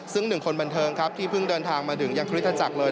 ซึ่งหนึ่งคนบันเทิงครับที่เพิ่งเดินทางมาถึงยังคริสตจักรเลย